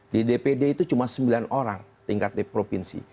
di dpd itu cuma sembilan orang tingkat provinsi